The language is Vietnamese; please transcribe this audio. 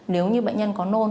nếu như bệnh nhân có nôn